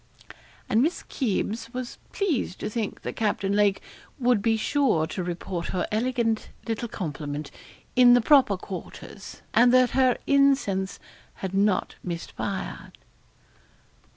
And Miss Kybes was pleased to think that Captain Lake would be sure to report her elegant little compliment in the proper quarters, and that her incense had not missed fire.